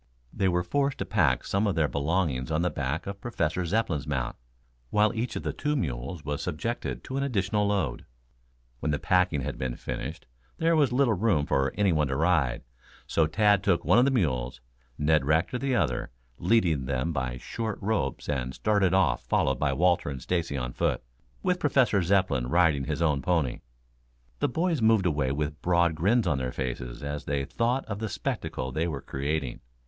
They were forced to pack some of their belongings on the back of Professor Zepplin's mount, while each of the two mules was subjected to an additional load. When the packing had been finished there was little room for anyone to ride, so Tad took one of the mules, Ned Rector the other, leading them by short ropes, and started off followed by Walter and Stacy on foot, with the Professor riding his own pony. The boys moved away with broad grins on their faces as they thought of the spectacle they were creating.